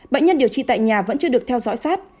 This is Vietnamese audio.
bệnh nhân điều trị tại nhà vẫn chưa được theo dõi sát